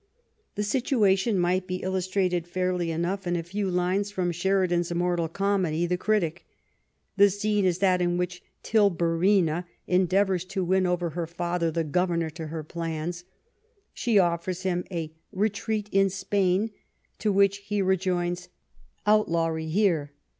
The situation might be illustrated fairly enough in a few lines from Sheridan's immortal comedy, " The Critic." The scene is that in which Tilburina endeavors to win over 87 THE REIGN OF QUEEN ANNE her father the governor to her plan?. She offers him '" A retreat in Spain," to which he rejoins " Outlawry here."